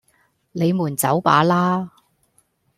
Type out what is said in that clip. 你們走吧啦!